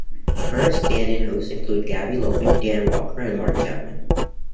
Current stand-in hosts include Gabby Logan, Dan Walker, and Mark Chapman.